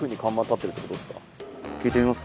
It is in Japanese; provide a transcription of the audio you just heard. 聞いてみます？